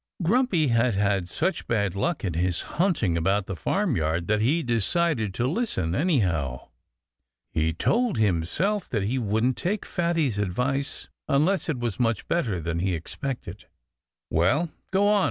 (Page 70)] Grumpy had had such bad luck in his hunting about the farmyard that he decided to listen, anyhow. He told himself that he wouldn't take Fatty's advice unless it was much better than he expected. "Well go on!"